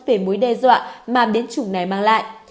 về mối đe dọa mà biến chủng này mang lại